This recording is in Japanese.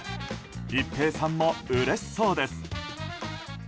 一平さんもうれしそうです。